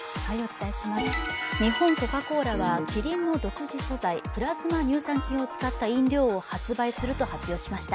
日本コカ・コーラはキリンの独自素材プラズマ乳酸菌を使った飲料を発売すると発表しました。